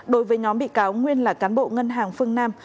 đối với nhóm bị cáo nguyên là cán bộ ngân hàng phương nam